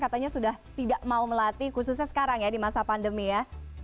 katanya sudah tidak mau melatih khususnya sekarang ya di masa pandemi ya